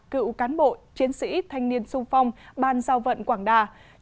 cựu cán bộ chiến sĩ thanh niên sung phong ban giao vận quảng đà